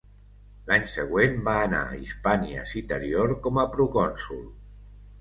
L’any següent va anar a Hispània Citerior com a procònsol.